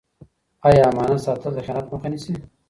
آیا امانت ساتل د خیانت مخه نیسي؟